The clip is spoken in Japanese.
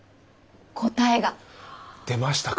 出ましたか。